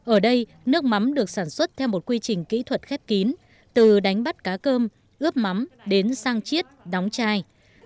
ở đây nước mắm được sản xuất theo một quy trình kỹ thuật khép kín từ đánh bắt cá cơm ướp mắm đến sang chiết đóng chai